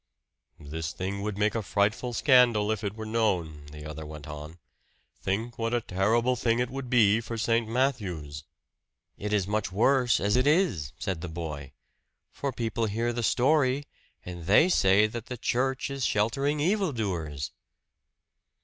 "This thing would make a frightful scandal if it were known," the other went on. "Think what a terrible thing it would be for St. Matthew's!" "It is much worse as it is," said the boy. "For people hear the story, and they say that the church is sheltering evil doers."